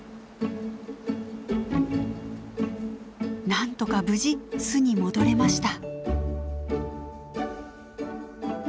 なんとか無事巣に戻れました。